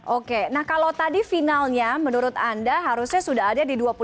oke nah kalau tadi finalnya menurut anda harusnya sudah ada di dua puluh satu